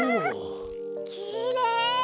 きれい！